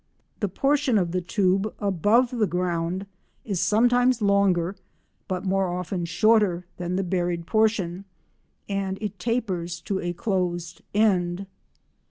The portion of the tube above the ground is sometimes longer but more often shorter than the buried portion, and it tapers to a closed end.